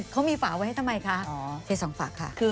เขามีฝาไว้ให้ทำไมคะเทสองฝาค่ะ